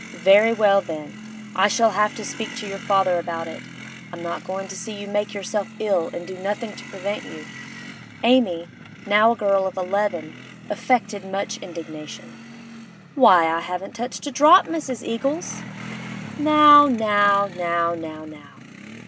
Very well, then, I shall have to speak to your father about it; I'm not goin' to see you make yourself ill and do nothing to prevent you.' Amy, now a girl of eleven, affected much indignation. 'Why, I haven't touched a drop, Mrs. Eagles!' 'Now, now, now, now, now!